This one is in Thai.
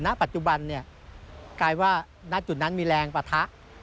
ณปัจจุบันเนี่ยกลายว่าณจุดนั้นมีแรงปะทะ